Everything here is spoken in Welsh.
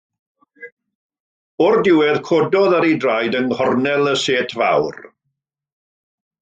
O'r diwedd, cododd ar ei draed yng nghornel y set fawr.